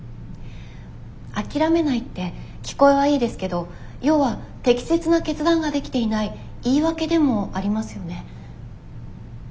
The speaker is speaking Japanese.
諦めないって聞こえはいいですけど要は適切な決断ができていない言い訳でもありますよね。